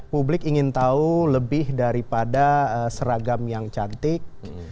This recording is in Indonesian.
publik ingin tahu lebih daripada seragam yang cantik